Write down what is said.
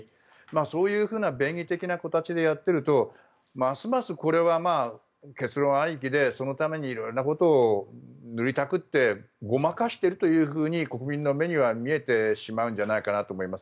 そういうふうな便宜的な形でやってるとますますこれは結論ありきでそのために色々なことを塗りたくってごまかしているというふうに国民の目には見えてしまうんじゃないかと思います。